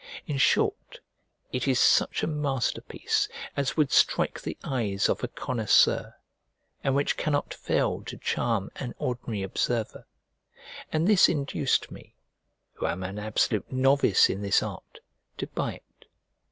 In short, it is such a masterpiece as would strike the eyes of a connoisseur, and which cannot fail to charm an ordinary observer: and this induced me, who am an absolute novice in this art, to buy it.